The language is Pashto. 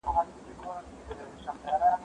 ونه د بزګر له خوا اوبه کيږي؟